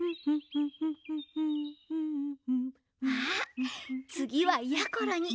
あつぎはやころに。